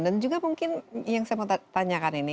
dan juga mungkin yang saya mau tanyakan ini